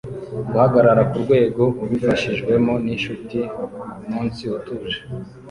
Guhagarara kurwego ubifashijwemo ninshuti kumunsi utuje